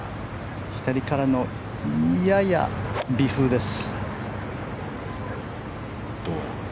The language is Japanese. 左からのやや微風です。